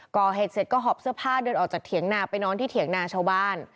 ก่อเหตุเสร็จก็หอบเสื้อผ้าเดินออกจากเถียงนาไปนอนที่เถียงนาชาวบ้าน